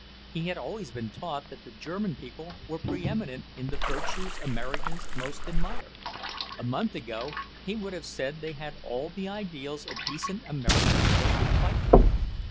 He had always been taught that the German people were pre eminent in the virtues Americans most admire; a month ago he would have said they had all the ideals a decent American boy would fight for.